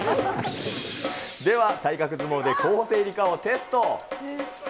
では体格相撲で候補生入りかをテスト。